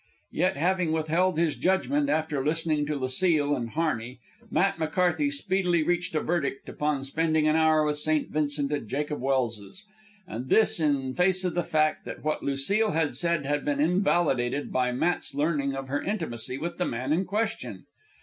Yet, having withheld his judgment after listening to Lucile and Harney, Matt McCarthy speedily reached a verdict upon spending an hour with St. Vincent at Jacob Welse's, and this in face of the fact that what Lucile had said had been invalidated by Matt's learning of her intimacy with the man in question.